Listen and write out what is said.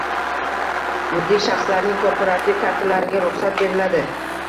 Yuridik shaxslarning korporativ kartalariga ruxsat beriladi